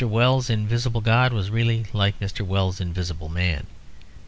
Wells's Invisible God was really like Mr. Wells's Invisible Man.